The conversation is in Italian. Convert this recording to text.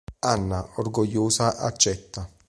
Anna, orgogliosa, accetta.